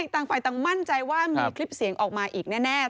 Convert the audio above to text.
ต่างฝ่ายต่างมั่นใจว่ามีคลิปเสียงออกมาอีกแน่